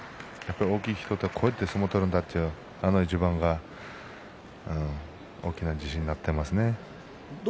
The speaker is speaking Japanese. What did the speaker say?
大きい人ってこういうふうに相撲を取るんだという一番大きな自信になっていますね。